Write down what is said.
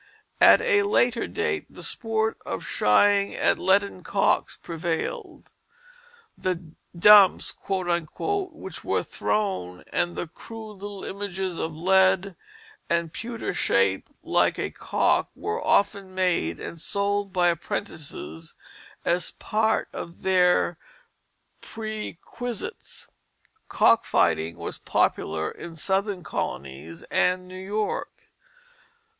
At a later date the sport of shying at leaden cocks prevailed. The "dumps" which were thrown, and the crude little images of lead and pewter shaped like a cock, were often made and sold by apprentices as part of their perquisites. Cock fighting was popular in the Southern colonies and New York.